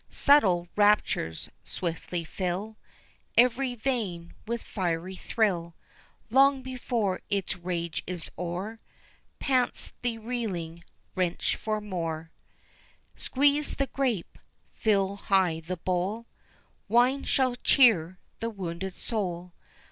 Subtle raptures swiftly fill Every vein with fiery thrill; Long before its rage is o'er Pants the reeling wretch for more; Squeeze the grape, fill high the bowl, Wine shall cheer the wounded soul.